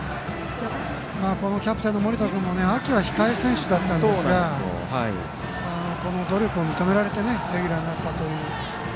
キャプテンの森田君も秋は控え選手だったんですがこの努力を認められてレギュラーになったという。